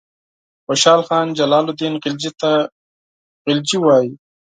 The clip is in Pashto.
خوشحال خان جلال الدین خلجي ته غلجي وایي.